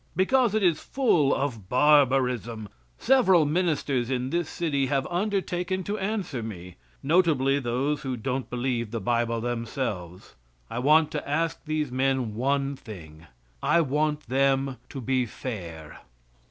Because it is full of barbarism. Several ministers in this city have undertaken to answer me notably those who don't believe the Bible themselves. I want to ask these men one thing. I want them to be fair.